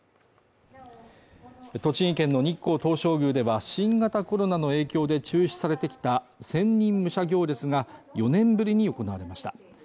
栃木県の日光東照宮では新型コロナの影響で中止されてきた千人武者行列が４年ぶりに行われました。